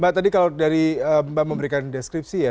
mbak tadi kalau dari mbak memberikan deskripsi ya